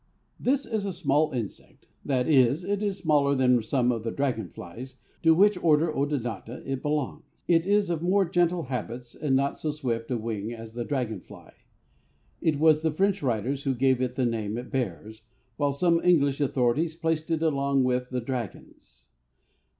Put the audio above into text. This is a small insect—that is it is smaller than some of the dragon flies, to which order—Odonata—it belongs. It is of more gentle habits and not so swift of wing as the dragon fly. It was the French writers who gave it the name it bears, while some English authorities placed it along with the dragons.